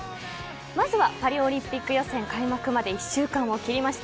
まずはパリオリンピック予選開幕まで１週間を切りました